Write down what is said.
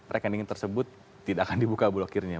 rekening tersebut tidak akan dibuka blokirnya